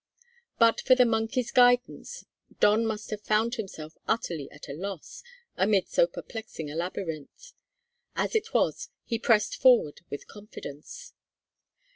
But for the monkey's guidance Don must have found himself utterly at a loss amid so perplexing a labyrinth. As it was, he pressed forward with confidence.